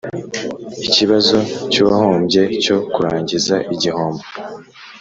ikibazo cy uwahombye cyo kurangiza igihombo